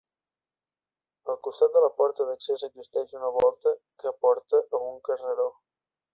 Al costat de la porta d'accés existeix una volta que porta a un carreró.